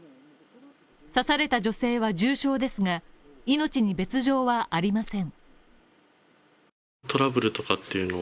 刺された女性は重傷ですが、命に別状はありません。